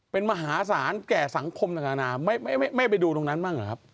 เป็นมหาศาลแก่สังคมต่างนานาไม่ไปดูตรงนั้นบ้างหรือครับ